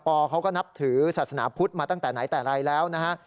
เขาก็นับถือศาสนาพุทธมาตั้งแต่ไหนแต่ไรแล้วนะฮะ